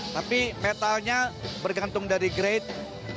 tapi metalnya bergantung dari grade